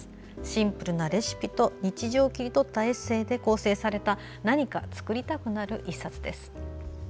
シンプルなレシピと日常を切り取ったエッセーで構成された何か作りたくなる一冊です。